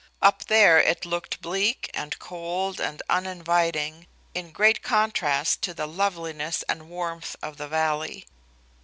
Up there it looked bleak and cold and uninviting, in great contrast to the loveliness and warmth of the valley.